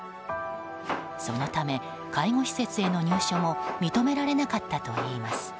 そのため、介護施設への入所も認められなかったといいます。